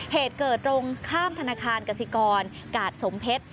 เหตุเกิดตรงข้ามธนาคารกสิกรกาดสมเพชร